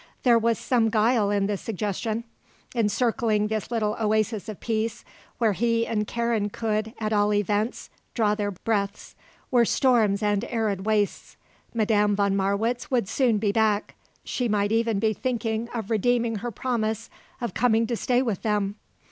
There was some guile in the suggestion. Encircling this little oasis of peace where he and Karen could, at all events, draw their breaths, were storms and arid wastes. Madame von Marwitz would soon be back. She might even be thinking of redeeming her promise of coming to stay with them.